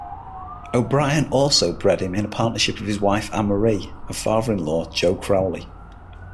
O'Brien also bred him in partnership with his wife Anne-Marie and father-in-law Joe Crowley.